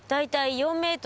４ｍ？